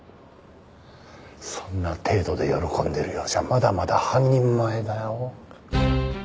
そんな程度で喜んでるようじゃまだまだ半人前だよ。